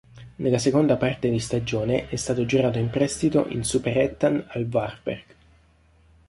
Nella seconda parte di stagione è stato girato in prestito in Superettan al Varberg.